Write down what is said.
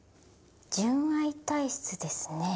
純愛体質ですね。